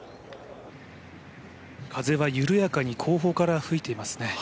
風は緩やかに後方から吹いていますね。